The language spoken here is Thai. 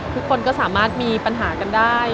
ทุกคนก็สามารถมีปัญหากันได้